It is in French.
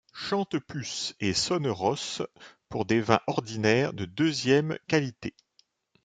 Chantepuce et sonnerosse pour des vins ordinaires de deuxième qualité.